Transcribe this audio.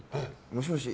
もしもし？